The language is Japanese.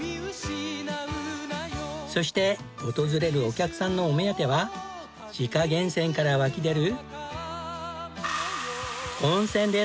そして訪れるお客さんのお目当ては自家源泉から湧き出る。